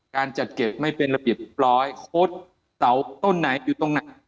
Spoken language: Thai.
การจัดเก็บไม่เป็นระเบียบร้อยโค้ดเตาต้นไหนอยู่ตรงไหน